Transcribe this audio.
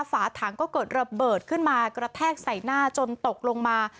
ฝาถังก็เกิดระเบิดขึ้นมากระแทกใส่หน้าจนตกลงมา